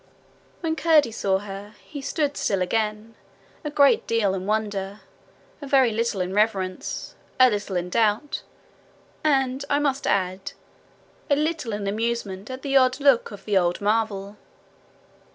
When Curdie saw her, he stood still again, a good deal in wonder, a very little in reverence, a little in doubt, and, I must add, a little in amusement at the odd look of the old marvel.